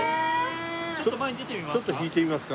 ちょっと前に出てみますか？